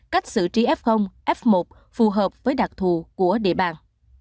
cách xử trí f f một phù hợp với đặc thù của địa bàn